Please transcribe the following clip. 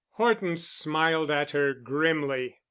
Horton smiled at her grimly.